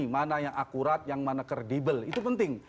mana yang akurat yang mana kredibel itu penting